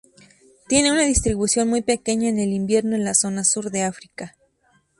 Tiene una distribución muy pequeña en el invierno en la zona Sur de África.